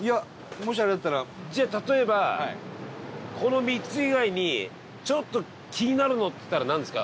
飯尾：じゃあ、例えばこの３つ以外にちょっと気になるのっつったらなんですか？